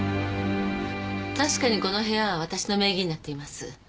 確かにこの部屋はわたしの名義になっています。